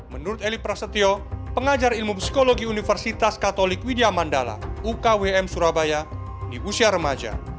menurut eli prasetyo pengajar ilmu psikologi universitas katolik widya mandala ukwm surabaya di usia remaja